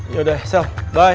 yaudah selam bye